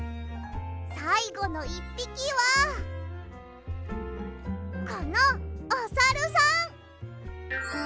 さいごの１ぴきはこのおサルさん！